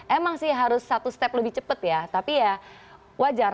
emang sih harus satu step lebih cepat ya tapi ya wajar